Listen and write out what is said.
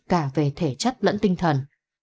cả về thể chất lẫn tinh thần